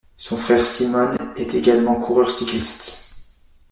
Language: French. Son frère Simone est également coureur cycliste.